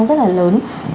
nó rất là lớn